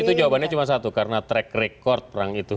itu jawabannya cuma satu karena track record perang itu